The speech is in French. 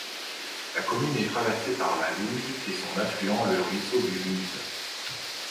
La commune est traversée par la Louge et son affluent le Ruisseau du Luz.